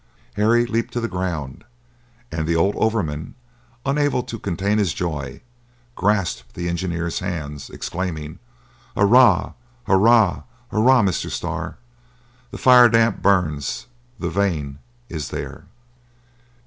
Harry leaped to the ground, and the old overman, unable to contain his joy, grasped the engineer's hands, exclaiming, "Hurrah! hurrah! hurrah! Mr. Starr. The fire damp burns! the vein is there!"